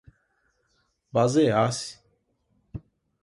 basear-se